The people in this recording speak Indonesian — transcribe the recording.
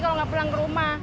kalau nggak pulang ke rumah